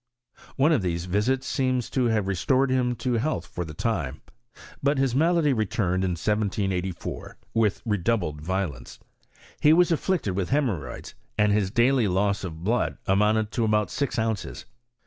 One of these visits seems to have restored him to health for the time. But his malady returned in 1784 with redoubled violence. He was afflicted with hemorrhoids, and his daily loss of blood amounted to about six ounces.